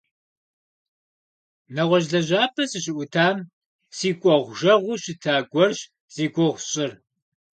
НэгъуэщӀ лэжьапӀэ сыщыӀутам си кӀуэгъужэгъуу щыта гуэрщ зи гугъу сщӀыр.